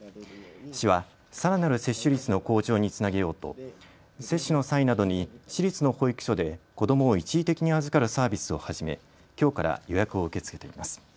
市はさらなる接種率の向上につなげようと接種の際などに市立の保育所で子どもを一時的に預かるサービスを始めきょうから予約を受け付けています。